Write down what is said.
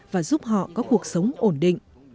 và giúp họ có cuộc sống ổn định